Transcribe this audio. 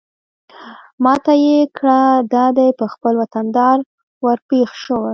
ما ته يې کړه دا دى په خپل وطندار ورپېښ شوې.